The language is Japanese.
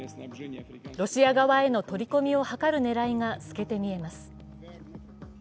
ロシア側への取り込みを図る狙いが透けて見えます。